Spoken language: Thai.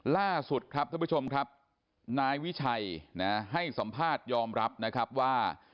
ล่าสุดครับท่านผู้ชมครับนายวิชัยให้สัมภาษณ์ยอมรับนะครับว่า